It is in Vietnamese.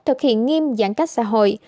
thực hiện nghiêm giãn cách xã hội